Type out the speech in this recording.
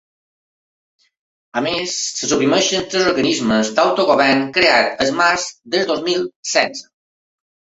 A més, se suprimeixen tres organismes d’autogovern creats el març del dos mil setze.